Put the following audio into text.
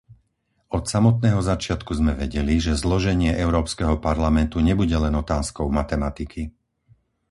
Od samotného začiatku sme vedeli, že zloženie Európskeho parlamentu nebude len otázkou matematiky.